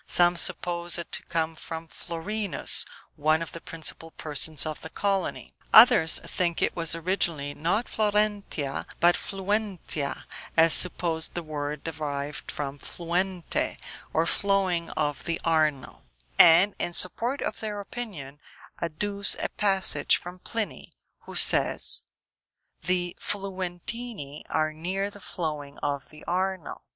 Some suppose it to come from Florinus, one of the principal persons of the colony; others think it was originally not Florentia, but Fluentia, and suppose the word derived from fluente, or flowing of the Arno; and in support of their opinion, adduce a passage from Pliny, who says, "the Fluentini are near the flowing of the Arno."